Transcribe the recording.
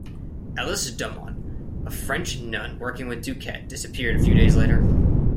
Alice Domon, a French nun working with Duquet, disappeared a few days later.